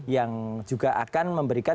yang juga akan memberikan